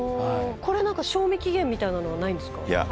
これ何か賞味期限みたいなのはないんですか？